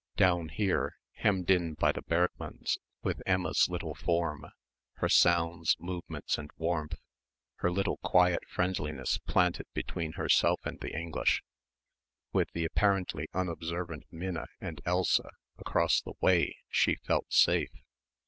Down here, hemmed in by the Bergmanns with Emma's little form, her sounds, movements and warmth, her little quiet friendliness planted between herself and the English, with the apparently unobservant Minna and Elsa across the way she felt safe.